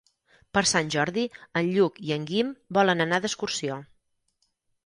Per Sant Jordi en Lluc i en Guim volen anar d'excursió.